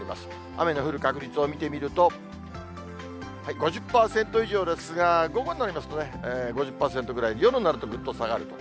雨の降る確率を見てみると、５０％以上ですが、午後になりますとね、５０％くらいで、夜になるとぐっと下がると。